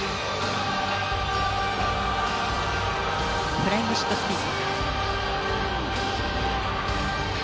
フライングシットスピン。